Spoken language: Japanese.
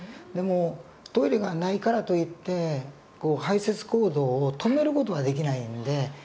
でもトイレがないからといって排泄行動を止める事はできないんで。